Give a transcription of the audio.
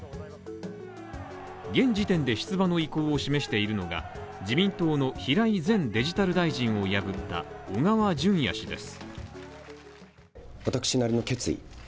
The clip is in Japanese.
現時点で出馬の意向を示しているのが、自民党の平井前デジタル大臣を破った小川淳也氏です。